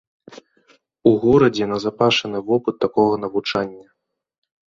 У горадзе назапашаны вопыт такога навучання.